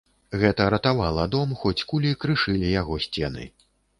Гэта ратавала дом, хоць кулі крышылі яго сцены.